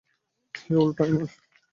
হেই, old-timer.